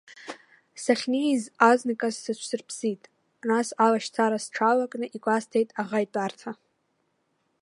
Сахьнеиз, азныказ сыҽсырԥсит, нас алашьцара сҽалакны игәасҭеит аӷа итәарҭа.